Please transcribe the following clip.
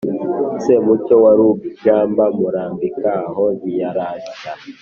semucyo wa rugamba murambika aho ntiyarashya